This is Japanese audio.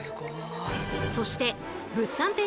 そして物産展